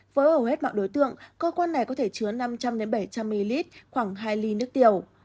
với hầu hết mọi đối tượng cơ quan này có thể chứa năm trăm linh bảy trăm linh ml khoảng hai ly nước tiểu